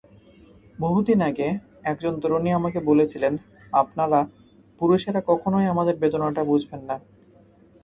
বহুদিন আগে একজন তরুণী আমাকে বলেছিলেন, আপনারা, পুরুষেরা কখনোই আমাদের বেদনাটা বুঝবেন না।